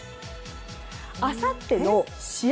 あさっての試合